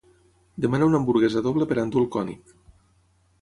Demana una hamburguesa doble per endur al König.